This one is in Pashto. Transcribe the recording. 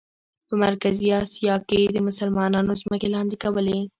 په مرکزي آسیا کې یې د مسلمانانو ځمکې لاندې کولې.